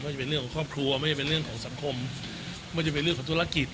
จะเป็นเรื่องของครอบครัวไม่ใช่เป็นเรื่องของสังคมไม่ว่าจะเป็นเรื่องของธุรกิจ